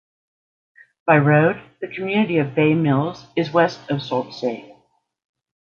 By road, the community of Bay Mills is west of Sault Ste.